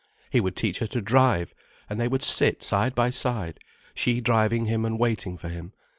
He would teach her to drive, and they would sit side by side, she driving him and waiting for him.